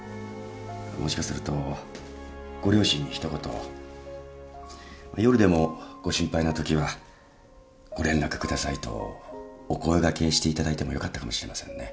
もしかするとご両親に一言夜でもご心配なときはご連絡下さいとお声掛けしていただいてもよかったかもしれませんね。